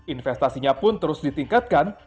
investasinya pun terus ditingkatkan